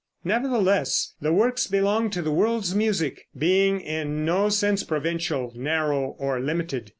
Nevertheless, the works belong to the world's music, being in no sense provincial, narrow or limited.